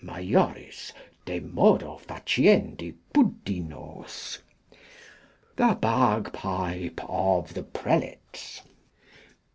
Majoris de modo faciendi puddinos. The Bagpipe of the Prelates.